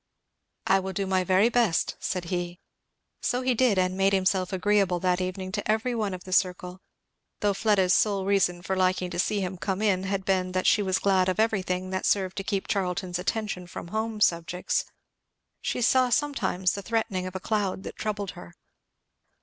"I will do my very best," said he. So he did, and made himself agreeable that evening to every one of the circle; though Fleda's sole reason for liking to see him come in had been that she was glad of everything that served to keep Charlton's attention from home subjects. She saw sometimes the threatening of a cloud that troubled her.